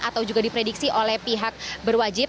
atau juga diprediksi oleh pihak berwajib